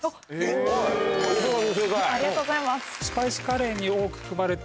ありがとうございます。